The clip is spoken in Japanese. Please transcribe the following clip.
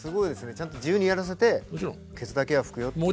ちゃんと自由にやらせてケツだけは拭くよっていう。